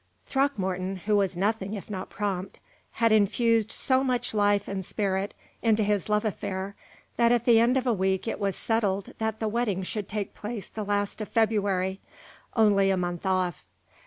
Throckmorton, who was nothing if not prompt, had infused so much life and spirit into his love affair that at the end of a week it was settled that the wedding should take place the last of February only a month off.